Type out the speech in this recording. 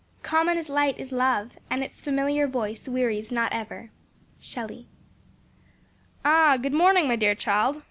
Common as light is love, And its familiar voice wearies not ever." SHELLEY. "AH, good morning, my dear child!